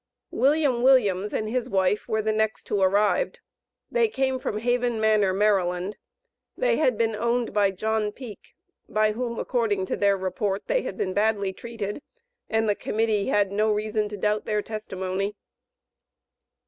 William Williams and his wife were the next who arrived. They came from Haven Manor, Md. They had been owned by John Peak, by whom, according to their report, they had been badly treated, and the Committee had no reason to doubt their testimony.